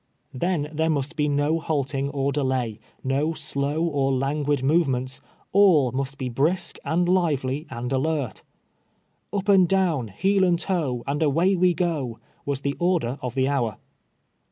Then there must be no halting or delay, no slow or languid movements ; all must be brisk, and lively, and alert. " Up and down, heel and toe, and away we go," was the order of the hour.